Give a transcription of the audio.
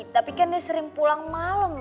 tapi kan dia sering pulang malam